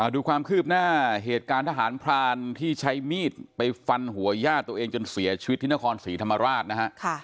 ดูความคืบหน้าเหตุการณ์ทหารพรานที่ใช้มีดไปฟันหัวย่าตัวเองจนเสียชีวิตที่นครศรีธรรมราชนะฮะ